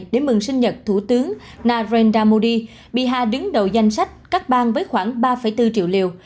để mừng sinh nhật thủ tướng narendra modi biha đứng đầu danh sách các bang với khoảng ba bốn triệu liều